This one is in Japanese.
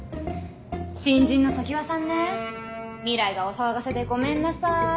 新人の常盤さんね未来がお騒がせでごめんなさい。